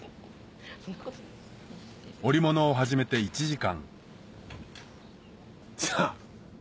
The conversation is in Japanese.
織物を始めて１時間さぁ。